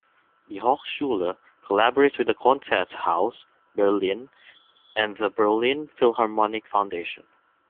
The Hochschule collaborates with the Konzerthaus Berlin and the Berlin Philharmonic Foundation.